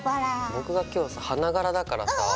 僕が今日さ花柄だからさ。